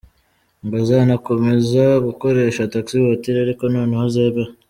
Ngo azanakomeza gukoresha Taxi Voiture ariko noneho zemewe.